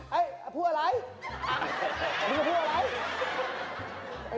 มีความรู้อะไร